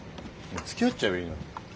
つきあっちゃえばいいのに。